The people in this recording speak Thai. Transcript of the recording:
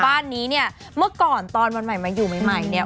บ้านนี้เนี่ยเมื่อก่อนตอนวันใหม่มาอยู่ใหม่เนี่ย